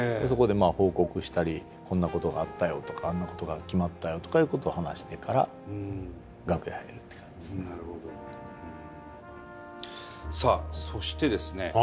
そこでまあ報告したりこんなことがあったよとかあんなことが決まったよとかいうことを話してから楽屋へ入るっていう感じですね。